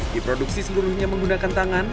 diproduksi seluruhnya menggunakan tangan